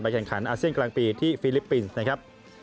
แข่งขันอาเซียนกลางปีที่ฟิลิปปินส์นะครับ